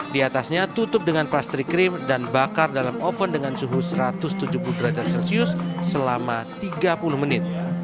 di atasnya tutup dengan plastik krim dan bakar dalam oven dengan suhu satu ratus tujuh puluh derajat celcius selama tiga puluh menit